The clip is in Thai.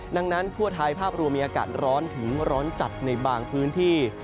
ดังนั้นทั่วท้ายภาพรวมมีอากาศร้อนถึงร้อนจัดในบางพื้นที่